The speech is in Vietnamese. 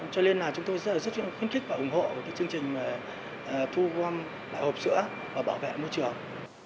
cho nên là chúng tôi rất khuyến khích và ủng hộ chương trình thu gom vỏ hộp sữa và bảo vệ môi trường